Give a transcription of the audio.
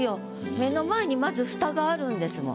目の前にまず蓋があるんですもん。